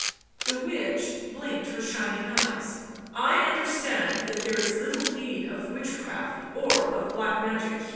The witch blinked her shining eyes. " T understand that there is little need of witchcraft or of black magie here."